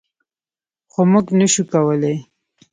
خو موږ نشو کولی.